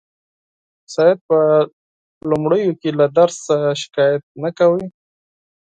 سید په لومړیو کې له درد څخه شکایت نه کاوه.